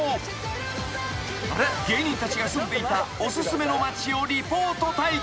［芸人たちが住んでいたお薦めの町をリポート対決］